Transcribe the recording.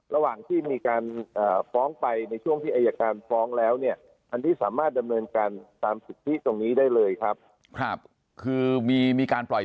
ระหว่างที่มีการฟ้องไปในช่วงที่อัยการฟ้องแล้วเนี่ย